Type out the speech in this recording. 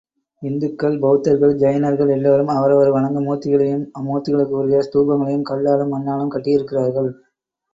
இந்துக்கள், பெளத்தர்கள், ஜைனர்கள் எல்லோரும் அவரவர் வணங்கும் மூர்த்திகளையும் அம்மூர்த்திகளுக்கு உரிய ஸ்தூபங்களையும் கல்லாலும் மண்ணாலும் கட்டியிருக்கிறார்கள்.